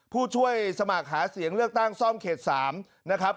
ผู้ช่วยสมัครหาเสียงเลือกตั้งซ่อมเขต๓นะครับ